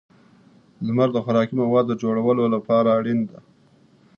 • لمر د خوراکي موادو د جوړولو لپاره اړین دی.